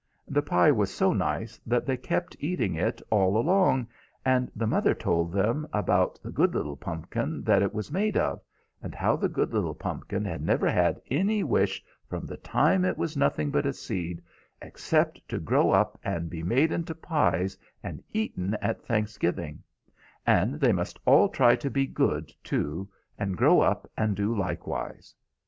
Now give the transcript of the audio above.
The pie was so nice that they kept eating at it all along, and the mother told them about the good little pumpkin that it was made of, and how the good little pumpkin had never had any wish from the time it was nothing but a seed, except to grow up and be made into pies and eaten at Thanksgiving; and they must all try to be good, too, and grow up and do likewise.